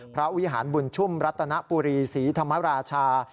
วิหารบุญชุ่มรัตนปุรีศรีธรรมราชา